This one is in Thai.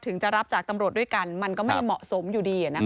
จะรับจากตำรวจด้วยกันมันก็ไม่เหมาะสมอยู่ดี